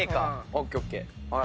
ＯＫＯＫ。